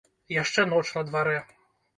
Яшчэ ноч на дварэ.